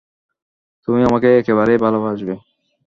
তুমি আমাকে একেবারেই ভালবাসবে।